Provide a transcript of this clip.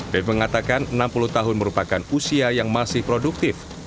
bebe mengatakan enam puluh tahun merupakan usia yang masih produktif